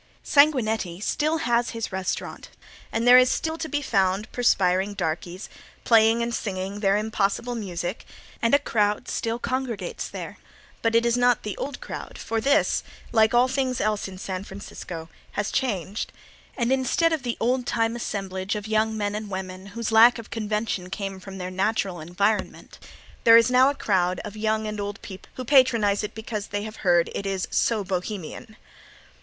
Sanguinetti still has his restaurant, and there is still to be found the perspiring darkeys, playing and singing their impossible music, and a crowd still congregates there, but it is not the old crowd for this, like all things else in San Francisco, has changed, and instead of the old time assemblage of young men and women whose lack of convention came from their natural environment, there is now a crowd of young and old people who patronize it because they have heard it is "so Bohemian."